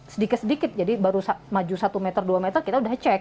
sedikit sedikit jadi baru maju satu meter dua meter kita udah cek